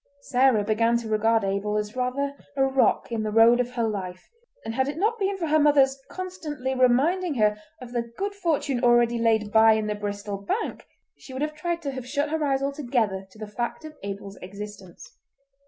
Sarah began to regard Abel as rather a rock in the road of her life, and had it not been for her mother's constantly reminding her of the good fortune already laid by in the Bristol Bank she would have tried to have shut her eyes altogether to the fact of Abel's existence.